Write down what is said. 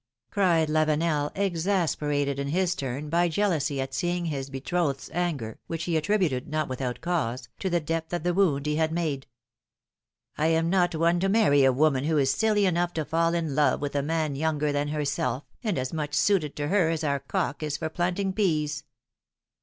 ^^ cried Lavenel, exas perated ill his turn by jealousy at seeing his betrothed's anger, which he attributed, not without cause, to the depth of the wound he had made. I am not one to marry a woman who is silly enough to fall in love with a man younger than herself, and as much suited to her as our cock is for planting peas!